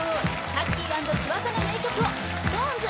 タッキー＆翼の名曲をＳｉｘＴＯＮＥＳ